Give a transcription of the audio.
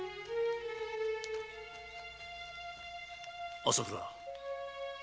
朝倉。